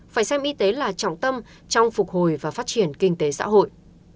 phải xem y tế là trọng tâm trong phục hồi và phát triển kinh tế xã hội